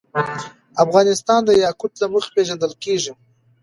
افغانستان د یاقوت له مخې پېژندل کېږي.